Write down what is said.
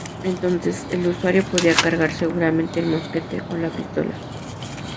Entonces el usuario podía cargar seguramente el mosquete o la pistola.